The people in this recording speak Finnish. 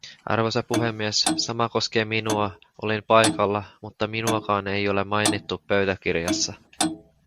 Arvoisa puhemies, sama koskee minua, olin paikalla, mutta minuakaan ei ole mainittu pöytäkirjassa!